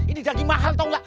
ini daging mahal tau gak